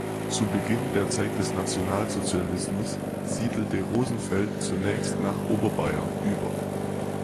Zu Beginn der Zeit des Nationalsozialismus siedelte Rosenfeld zunächst nach Oberbayern über.